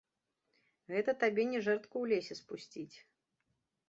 Гэта табе не жэрдку ў лесе спусціць.